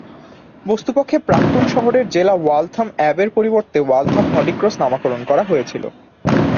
বস্তুপক্ষে, প্রাক্তন শহুরে জেলা ওয়ালথাম অ্যাবের পরিবর্তে ওয়ালথাম হলি ক্রস নামকরণ করা হয়েছিল।